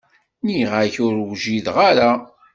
Nniɣ-ak ur wjideɣ ara.